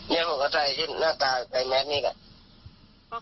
เนี่ยผมก็ใส่ชุดหน้าตาใส่แมสนี่ก่อน